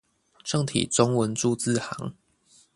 正體中文鑄字行